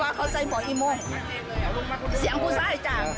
สวัสดีครับ